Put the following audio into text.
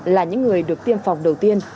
là những người được tiêm phòng đầu tiên